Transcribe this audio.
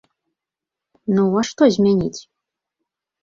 Ну, а што змяніць?